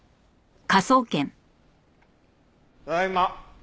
ただいま。